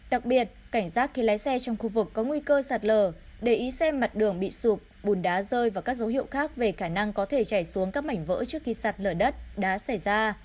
đặc biệt cảnh giác khi lái xe trong khu vực có nguy cơ sạt lở để ý xem mặt đường bị sụp bùn đá rơi vào các dấu hiệu khác về khả năng có thể chảy xuống các mảnh vỡ trước khi sạt lở đất đá xảy ra